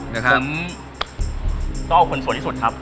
ต้องเอาคนสวยที่สุดครับ